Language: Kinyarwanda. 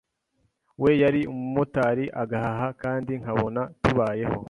we yari umumotari agahaha kandi nkabona tubayeho.